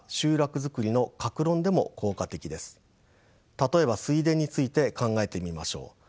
例えば水田について考えてみましょう。